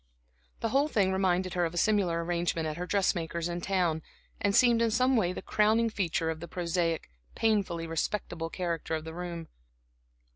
The whole thing reminded her of a similar arrangement at her dressmaker's in town, and seemed in some way the crowning feature of the prosaic, painfully respectable character of the room.